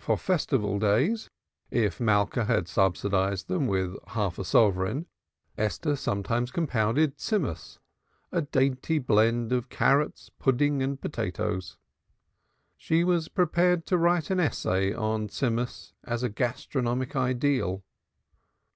For Festival days, if Malka had subsidized them with a half sovereign, Esther sometimes compounded Tzimmus, a dainty blend of carrots, pudding and potatoes. She was prepared to write an essay on Tzimmus as a gastronomic ideal.